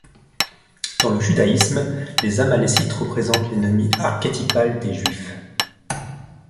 Dans le judaïsme, les Amalécites représentent l'ennemi archétypal des Juifs.